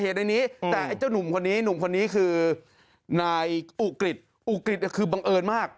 ตอนนี้คือนายอุกริตอุกริตคือบังเอิญมาก